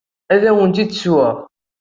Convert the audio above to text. Ad awent-d-ssewweɣ.